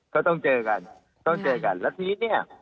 เขาต้องเจอกันต้องเจอกันแล้วทีนี้